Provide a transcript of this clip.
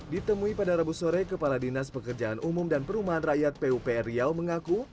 ditemui pada rabu sore kepala dinas pekerjaan umum dan perumahan rakyat pupr riau mengaku